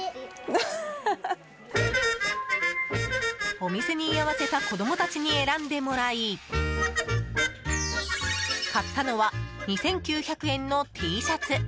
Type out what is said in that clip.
お店に居合わせた子供たちに選んでもらい買ったのは２９００円のＴシャツ。